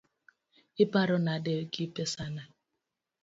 Iparo nade gi pesani?